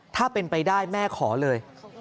ถ้าเป็นไปได้แม่ขอเลย